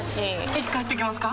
いつ帰ってきますか？